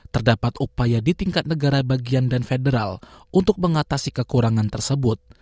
terdapat upaya di tingkat negara bagian dan federal untuk mengatasi kekurangan tersebut